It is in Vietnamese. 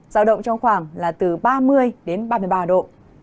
giao động trong khoảng là từ ba mươi đến ba mươi ba độ